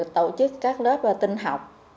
tổ chức các lớp tinh học